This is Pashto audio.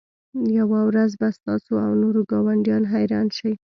یوه ورځ به تاسو او نور ګاونډیان حیران شئ